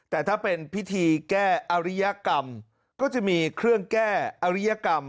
แต่ถ้าเป็นพิธีแก้อริยกรรมก็จะมีเครื่องแก้อริยกรรม